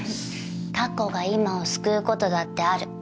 過去が今を救うことだってある。